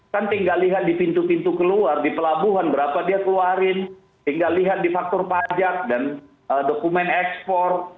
kan tinggal lihat di pintu pintu keluar di pelabuhan berapa dia keluarin tinggal lihat di faktor pajak dan dokumen ekspor